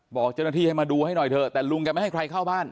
บอกเจ้าหน้าที่ให้มาดูให้หน่อยเถอะแต่ลุงแกไม่ให้ใครเข้าบ้าน